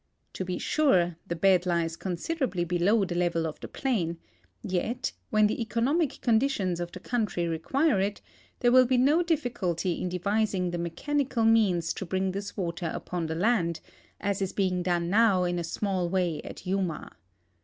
To l)e sure, the bed lies considerably below the level of the ])lain, yet when the economic conditions of the country recpiire it, there Avill be no dilliculty in devising the mechanical means to bring this water upon the land, as is being done now in a small wav at Yuma.